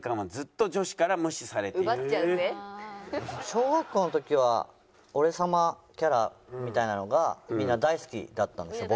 小学校の時は俺様キャラみたいなのがみんな大好きだったんですよ